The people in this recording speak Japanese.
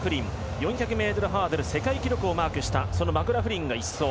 ４００ｍハードル世界記録をマークしたそのマクラフリンが１走。